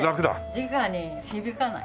じかに響かない。